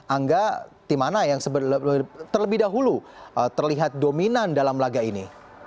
angga tim mana yang terlebih dahulu terlihat dominan dalam laga ini